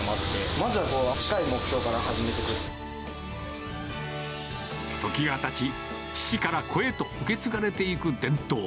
まずはこう、近い目標から始めて時がたち、父から子へと受け継がれていく伝統。